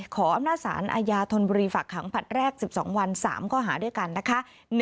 ขออำนาจสารอาญาธนบุรีฝากขังผลัดแรก๑๒วัน๓ข้อหาด้วยกันนะคะ